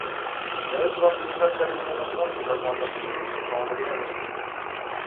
Для этого Организация Объединенных Наций должна адаптироваться к новым реалиям.